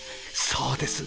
そうです